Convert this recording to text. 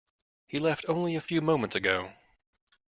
He left only a few moments ago.